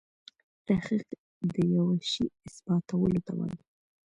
تحقیق دیوه شي اثباتولو ته وايي.